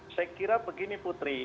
saya kira begini putri